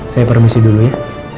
saya permisi dulu ya